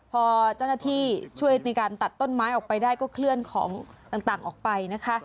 พอเจ้าหน้าที่ช่วยในการตัดต้นไม้ออกไปได้ก็เคลื่อนของต่างออกไปนะคะ